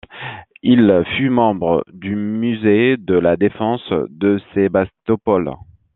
Il fut membre du musée de la défense de Sébastopol.